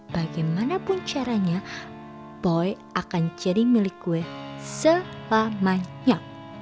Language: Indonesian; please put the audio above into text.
bagaimanapun caranya boy akan jadi milik kue selamanya